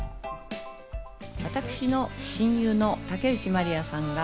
私の親友の竹内まりやさんが